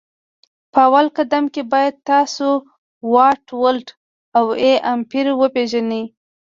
په اول قدم کي باید تاسو واټ ولټ او A امپري وپيژني